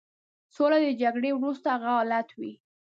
سوله د جګړې وروسته هغه حالت دی.